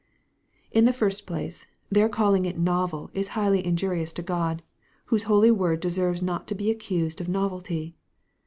In the first place, their calling it novel is highly injurious to God, whose holy word deserves not to be accused of novelty.